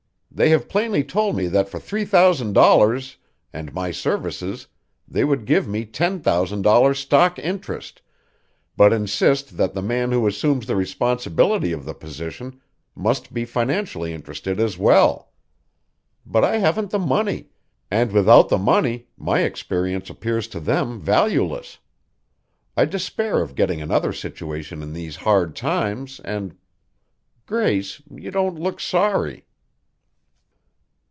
They have plainly told me that for three thousand dollars and my services they would give me ten thousand dollars' stock interest, but insist that the man who assumes the responsibility of the position must be financially interested as well. But I haven't the money, and without the money my experience appears to them valueless. I despair of getting another situation in these hard times and Grace, you don't look sorry."